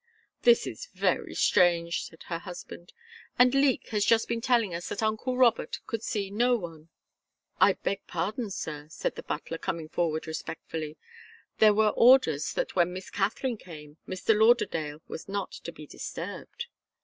"This is very strange," said her husband. "And Leek has just been telling us that uncle Robert could see no one." "I beg pardon, sir," said the butler, coming forward respectfully. "There were orders that when Miss Katharine came, Mr. Lauderdale was not to be disturbed."